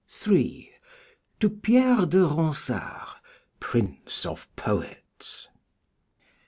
To Pierre de Ronsard (Prince of Poets.)